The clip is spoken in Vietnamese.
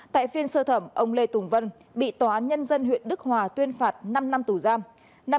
tại phiên sơ thẩm ông lê tùng vân bị tòa án nhân dân huyện đức hòa tuyên phạt năm năm tù giam